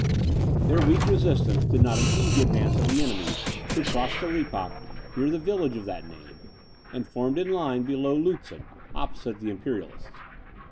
Their weak resistance did not impede the advance of the enemy, who crossed the Rippach, near the village of that name, and formed in line below Lutzen, opposite the Imperialists.